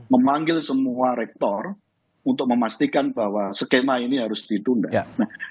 memanggil semua rektor untuk memastikan bahwa skema ini harus ditunda